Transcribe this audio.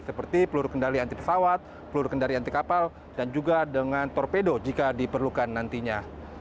seperti peluru kendali anti pesawat peluru kendali anti kapal dan juga dengan torpedo jika diperlukan nantinya